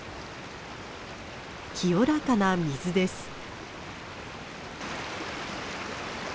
清らかな水です。